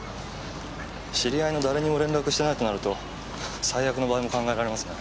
知り合いの誰にも連絡してないとなると最悪の場合も考えられますね。